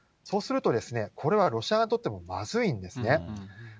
そうするとですね、これはロシア側にとってもまずいんですね。